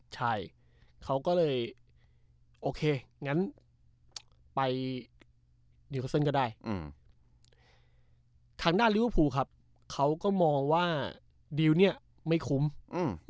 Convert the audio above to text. ใช่เขาก็เลยงั้นไปอืมข้างหน้าครับเขาก็มองว่าเนี้ยไม่คุ้มอืม